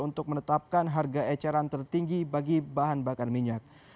untuk menetapkan harga eceran tertinggi bagi bahan bakar minyak